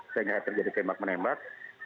sehingga terjadi tembak menembak